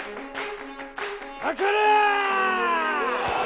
かかれ！